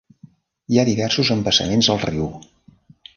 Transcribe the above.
Hi ha diversos embassaments al riu.